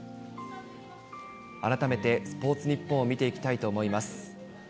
改めてスポーツニッポンを見ていきたいと思います。